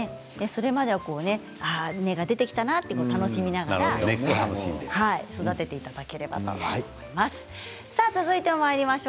それまでは根が出てきたなと楽しみながら育てていただければと思います。